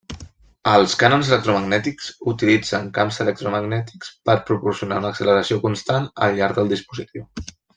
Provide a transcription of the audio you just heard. Els canons electromagnètics utilitzen camps electromagnètics per proporcionar una acceleració constant al llarg del dispositiu.